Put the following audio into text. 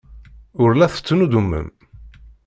Ur la tettnuddumem.